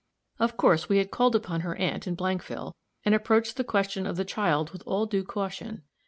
Of course we had called upon her aunt in Blankville, and approached the question of the child with all due caution.